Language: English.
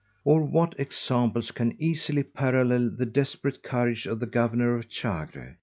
Or what examples can easily parallel the desperate courage of the Governour of_ Chagre?